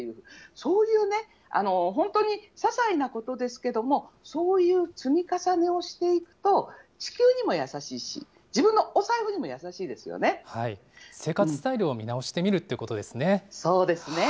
そういうね、本当にささいなことですけれども、そういう積み重ねをしていくと地球にも優しいし、自分のお財布に生活スタイルを見直してみるそうですね。